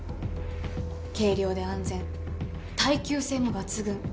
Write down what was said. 軽量で安全耐久性も抜群。